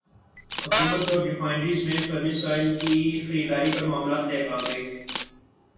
حکومت اور ریفائنریز میں فرنس ئل کی خریداری پر معاملات طے پاگئے